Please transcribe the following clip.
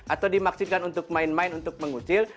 atau dimaksudkan untuk main main untuk mengusil